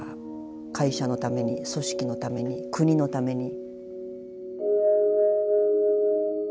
会社のために組織のために国のために。